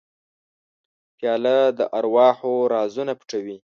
پیاله د ارواحو رازونه پټوي.